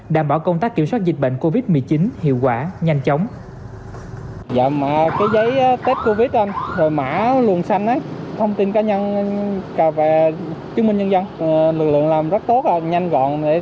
đảm bảo công tác kiểm soát dịch bệnh covid một mươi chín hiệu quả nhanh chóng